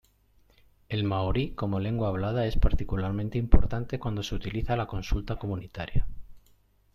El maorí como lengua hablada es particularmente importante cuando se utiliza la consulta comunitaria.